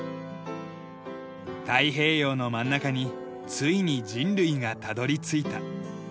太平洋の真ん中についに人類がたどり着いた。